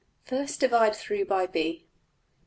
First divide through by~$b$.